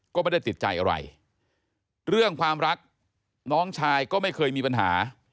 ก็ไม่ได้ติดใจอะไรเรื่องความรักน้องชายก็ไม่เคยมีปัญหา